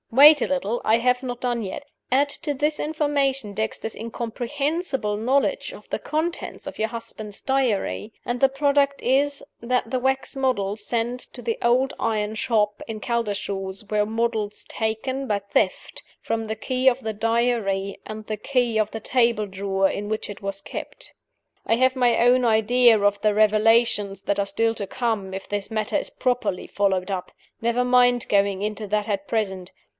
Wait a little! I have not done yet. Add to this information Dexter's incomprehensible knowledge of the contents of your husband's diary, and the product is that the wax models sent to the old iron shop in Caldershaws were models taken by theft from the key of the Diary and the key of the table drawer in which it was kept. I have my own idea of the revelations that are still to come if this matter is properly followed up. Never mind going into that at present.